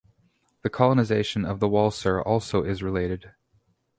The colonization of the Walser also is related.